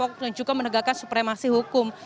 harga bbm yang juga menegakkan supremasi hukum